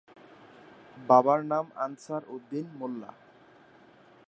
বাবার নাম আনসার উদ্দিন মোল্লা।